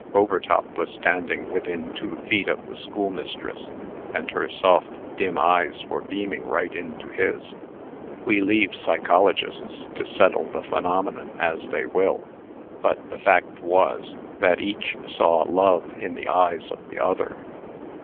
Overtop was standing within two feet of the schoolmistress, and her soft, dim eyes were beaming right into his. We leave psychologists to settle the phenomenon as they will; but the fact was, that each saw love in the eyes of the other.